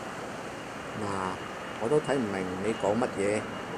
嗱，我都睇唔明你講乜嘢